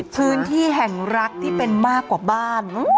พื้นที่แห่งรักที่เป็นมากกว่าบ้าน